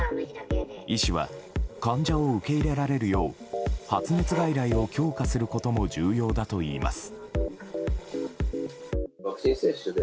医師は患者を受け入れられるよう発熱外来を強化することも重要だといいます。